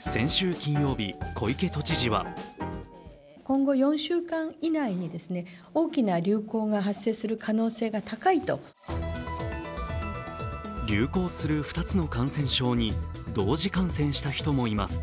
先週金曜日、小池都知事は流行する２つの感染症に同時感染した人もいます。